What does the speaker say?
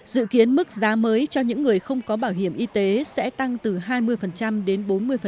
dự kiến mức giá mới cho những người không có bảo hiểm y tế sẽ tăng từ hai mươi đến bốn mươi